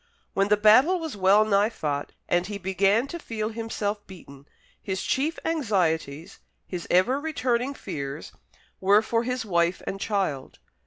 When the battle was well nigh fought, and he began to feel himself beaten; his chief anxieties, his ever returning fears, were for his wife and child.